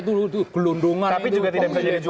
tapi juga tidak bisa jadi jumawah begitu ya mas henry ya